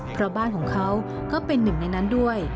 เพราะบ้านของเขาก็เป็นหนึ่งในนั้นด้วย